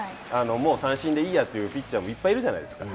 もう三振でいいやというピッチャーもいっぱいいるじゃないですか。